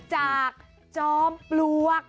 จากจอมปลวก